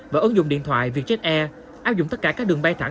và ứng dụng điện thoại vietjet air áp dụng tất cả các đường bay thẳng